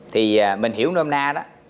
thì mình hiểu nôm na đó